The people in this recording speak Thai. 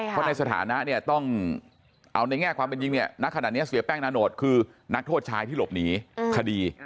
เพราะในสถานะเนี่ยต้องเอาในแง่ความเป็นจริงเนี่ยณขณะนี้เสียแป้งนาโนตคือนักโทษชายที่หลบหนีคดี